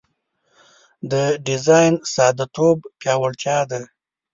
د ډیزاین ساده توب پیاوړتیا ده.